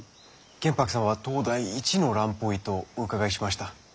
玄白さんは当代一の蘭方医とお伺いしました。